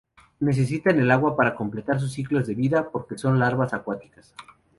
Necesitan el agua para completar sus ciclos de vida, porque las larvas son acuáticas.